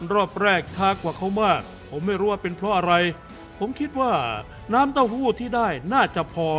รอบแรกช้ากว่าเขามากผมไม่รู้ว่าเป็นเพราะอะไรผมคิดว่าน้ำเต้าหู้ที่ได้น่าจะพอ